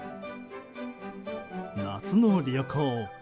夏の旅行。